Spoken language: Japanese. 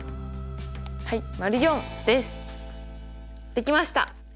できました。